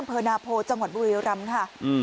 เผอร์นาโพจังหวัดบุรีรัมพ์ค่ะ